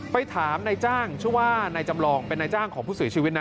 ไปถามนายจ้างชื่อว่านายจำลองเป็นนายจ้างของผู้เสียชีวิตนะ